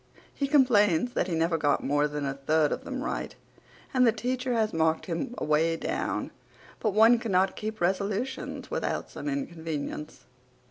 He complains that he never got more than a third of them right and the teacher has marked him away down; but one cannot keep resolutions without some inconvenience.